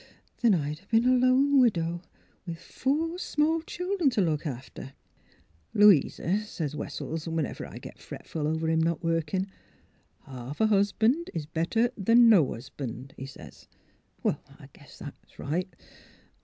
Then I'd 'a been a lone widow, with four small childern t' look after; ' Louisa,' says Wessels, — whenever I git fretful over him not workin' —' half a 'usban' is better'*! no 'usban',' he says. An' I guess that's right.